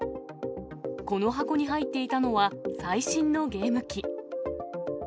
この箱に入っていたのは、最新のゲーム機。